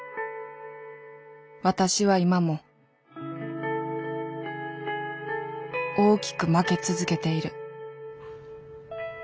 私は今も大きく負け続けている